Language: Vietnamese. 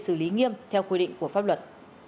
từ lý nghiêm theo quy định của pháp luật